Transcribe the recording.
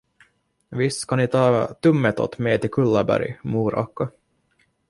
Visst ska ni ta Tummetott med till Kullaberg, mor Akka.